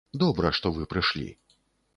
Добра, што вы прышлі.